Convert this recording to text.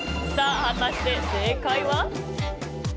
果たして正解は。